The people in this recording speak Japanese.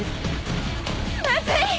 まずい！